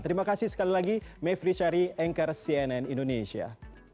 terima kasih sekali lagi mevri syari anchor cnn indonesia